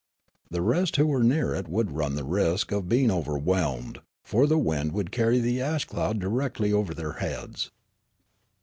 The rest who were nearer it would run the risk of being overwhehned, for the wind would carry the ash cloud directly over their heads."